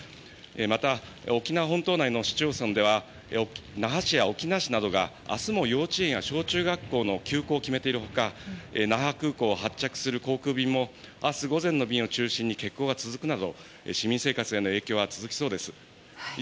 また、沖縄本島内の市町村では那覇市や沖縄市などが明日も幼稚園や小中学校の休校を決めている他那覇空港を発着する航空便も明日午前便を中心に欠航が続くなど市民生活への影響は続きそうです。